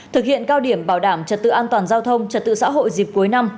thực hiện cao điểm bảo đảm trật tự an toàn giao thông trật tự xã hội dịp cuối năm